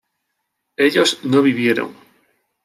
ellos no vivieron